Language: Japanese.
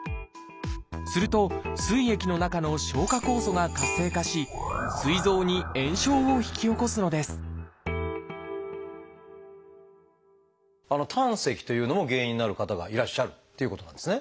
するとすい液の中の消化酵素が活性化しすい臓に炎症を引き起こすのです胆石というのも原因になる方がいらっしゃるっていうことなんですね。